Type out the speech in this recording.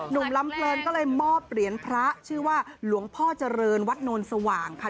ลำเพลินก็เลยมอบเหรียญพระชื่อว่าหลวงพ่อเจริญวัดโนนสว่างค่ะ